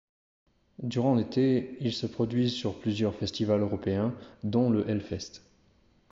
Durant l'été ils se produisent sur plusieurs festivals européens, dont le Hellfest.